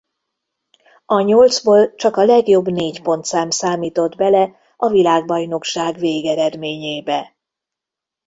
A nyolcból csak a legjobb négy pontszám számított bele a világbajnokság végeredményébe.